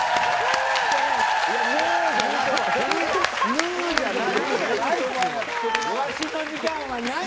ヌーじゃない。